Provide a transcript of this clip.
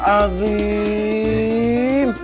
cepetan pak herman